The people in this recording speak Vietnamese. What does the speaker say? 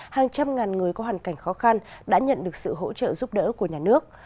hàng trăm ngàn người có hoàn cảnh khó khăn đã nhận được sự hỗ trợ giúp đỡ của nhà nước